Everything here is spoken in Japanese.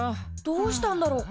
どうしたんだろ？